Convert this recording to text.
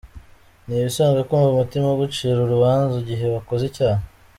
Ni ibisanzwe kumva umutima ugucira urubanza igihe wakoze icyaha.